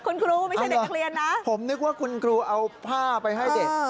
คุณครูไม่ใช่เด็กนักเรียนนะผมนึกว่าคุณครูเอาผ้าไปให้เด็ก